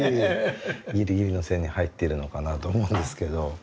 ギリギリの線に入っているのかなと思うんですけど。